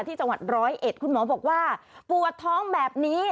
ที่จังหวัดร้อยเอ็ดคุณหมอบอกว่าปวดท้องแบบนี้